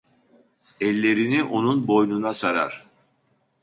Ellerini onun boynuna sarar.